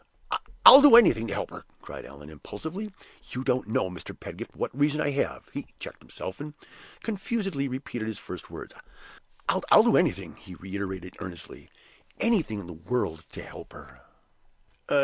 "I'll do anything to help her!" cried Allan, impulsively. "You don't know, Mr. Pedgift, what reason I have " He checked himself, and confusedly repeated his first words. "I'll do anything," he reiterated earnestly "anything in the world to help her!"